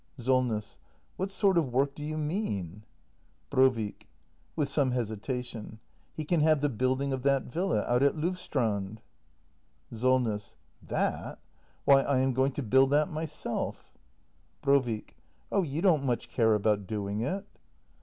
SOLNESS. What sort of work do you mean ? Brovik. [With some hesitation.] He can have the building of that villa out at Lovstrand. SOLNESS. That! Why I am going to build that myself. act i] THE MASTER BUILDER 255 Brovik. Oh you don't much care about doing it.